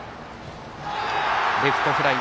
レフトフライ。